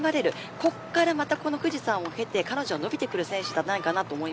ここからまた富士山を経て彼女は伸びてくる選手